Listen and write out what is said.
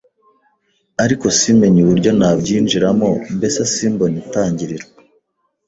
ariko simenye uburyo nabyinjiramo mbese simbone itangiriro